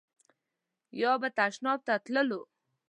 یا به تشناب ته تللو.